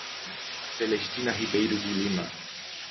Celestina Ribeiro de Lima